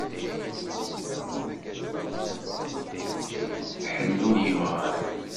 Ḥellun yimɣan.